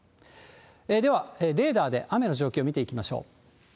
では、レーダーで雨の状況見ていきましょう。